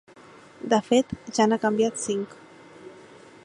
De fet ja n’ha canviat cinc.